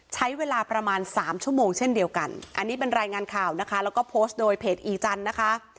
ใช้เวลาประมาณสามชั่วโมงเช่นเดียวกันอันนี้เป็นรายงานข่าวนะคะแล้วก็โพสต์โดยเพจอีจันทร์นะคะ